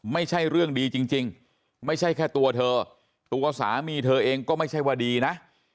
ไม่ใช่เรื่องดีจริงไม่ใช่แค่ตัวเธอตัวสามีเธอเองก็ไม่ใช่ว่าดีนะ